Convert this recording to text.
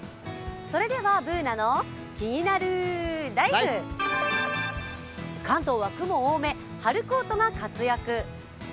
それでは「ＢｏｏｎａのキニナルＬＩＦＥ」関東は雲多め、春コートが活躍。